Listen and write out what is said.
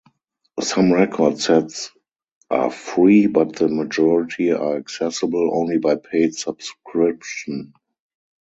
Some record sets are free but the majority are accessible only by paid subscription.